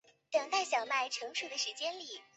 莱利鳄的目前状态为疑名。